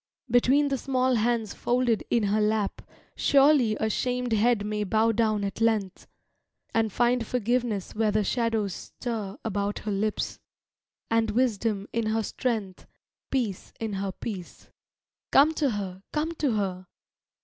Between the small hands folded in her lap Surely a shamed head may bow down at length, And find forgiveness where the shadows stir About her lips, and wisdom in her strength, Peace in her peace. Come to her, come to her!"...